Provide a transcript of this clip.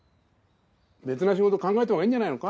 別の仕事考えたほうがいいんじゃないのか？